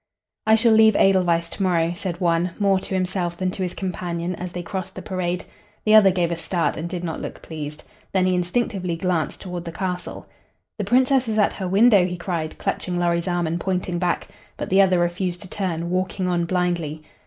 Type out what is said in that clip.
"I shall leave Edelweiss to morrow," said one, more to himself than to his companion, as they crossed the parade. The other gave a start and did not look pleased. Then he instinctively glanced toward the castle. "The Princess is at her window," he cried, clutching Lorry's arm and pointing back. But the other refused to turn, walking on blindly.